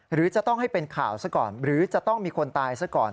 หรือจะต้องให้เป็นข่าวซะก่อนหรือจะต้องมีคนตายซะก่อน